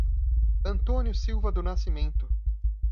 Antônio Silva do Nascimento